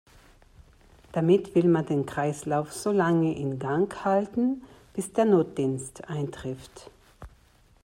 Damit will man den Kreislauf solange in Gang halten, bis der Notdienst eintrifft.